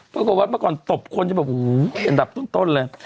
เพราะว่าเมื่อก่อนตบคนจะบอกโอ้โหเด่นดับต้นเลย